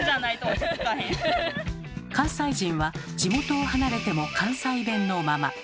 関西人は地元を離れても関西弁のまま。